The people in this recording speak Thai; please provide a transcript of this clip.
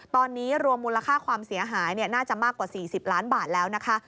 ตอนนี้รวมมูลค่าความเสียหายน่าจะมากกว่า๔๐ล้านบาทแล้วนะคะ